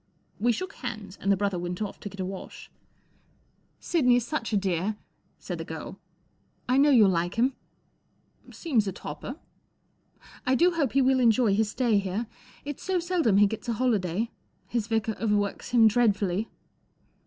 We shook hands, and the brother went off to get a wash. Digitized by " Sidney's such a dear," said the girl. '* I know you'll like him." " Seems a topper." 99 I do hope he will enjoy his stay here. It's so seldom he gets a holiday. His vicar overworks him dreadfully."